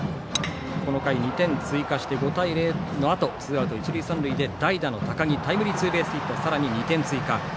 この回、２点追加して５対０のあとツーアウト、一塁三塁で代打の高木タイムリーツーベースヒットでさらに２点を追加。